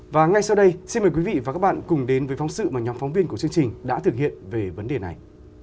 và ngay sau đây xin mời quý vị và các bạn cùng đến với phóng sự mà nhóm phóng viên của chương trình đã thực hiện về vấn đề này